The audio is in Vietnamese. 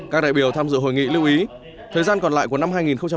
các đại biểu tham dự hội nghị lưu ý thời gian còn lại của năm hai nghìn hai mươi